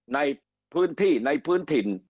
ในพื้นที่ในพื้นถิ่น